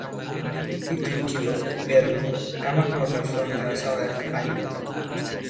Di Trujillo, Peru, nama keluarga Fhon berasal dari Panyu.